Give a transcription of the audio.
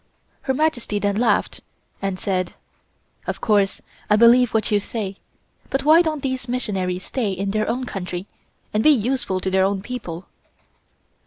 Her Majesty then laughed, and said: "Of course I believe what you say, but why don't these missionaries stay in their own country and be useful to their own people?"